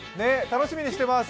楽しみにしてます。